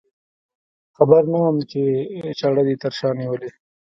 خبر نه وم چې چاړه دې تر شا نیولې.